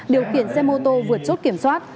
điều khiển xe mô tô vượt chốt kiểm soát